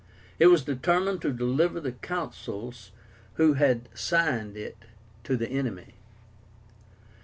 It was determined to deliver the Consuls who had signed it to the enemy.